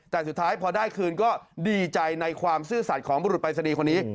แต่สุดท้ายพอได้คืนก็ดีใจในความซื่อสัตว์ของบุรุษปรายศนีย์คนนี้